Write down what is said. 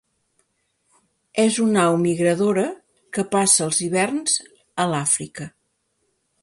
És una au migradora, que passa els hiverns a l'Àfrica.